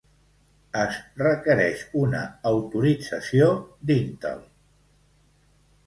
Es requereix una autorització d'Intel.